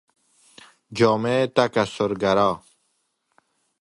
جامعه تکثرگرا